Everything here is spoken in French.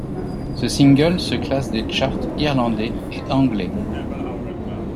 Ce single se classe des charts irlandais et anglais.